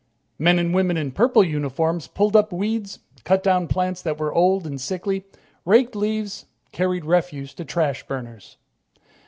Men and women in purple uniforms pulled up weeds, cut down plants that were old and sickly, raked leaves, carried refuse to trash burners.